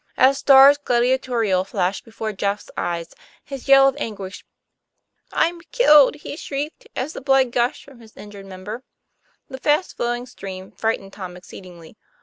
As stars gladiatorial flashed before Jeff's eyes, his yell of anguish broke upon the silence. "I'm killed," he shrieked, as the blood gushed from his injured member. The fast flowing stream frightened Tom exceed ingly.